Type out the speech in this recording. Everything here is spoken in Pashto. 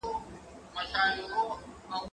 هغه وويل چي منډه ښه ده،